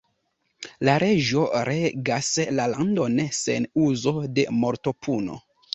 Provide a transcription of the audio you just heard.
La reĝo regas la landon sen uzo de mortopuno.